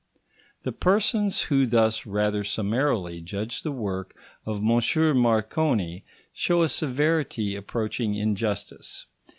The persons who thus rather summarily judge the work of M. Marconi show a severity approaching injustice.